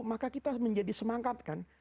maka kita menjadi semangat kan